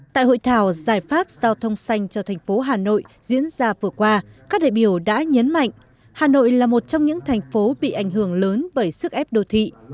tại hội thảo giải pháp giao thông xanh cho thành phố hà nội diễn ra vừa qua các đại biểu đã nhấn mạnh hà nội là một trong những thành phố bị ảnh hưởng lớn bởi sức ép đô thị